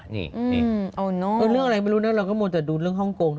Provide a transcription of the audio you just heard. นี่นี่นี่นี่โอ้ไม่รู้นะเราก็มวลแต่ดูเรื่องฮ่องกง